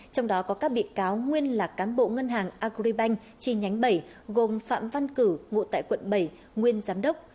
trong đó có các bị cáo nguyên là cán bộ ngân hàng agribank chi nhánh bảy gồm phạm văn cử ngụ tại quận bảy nguyên giám đốc